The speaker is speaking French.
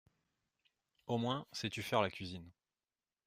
Au moins, sais-tu faire la cuisine ?